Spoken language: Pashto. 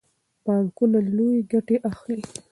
بانکونه لویې ګټې اخلي.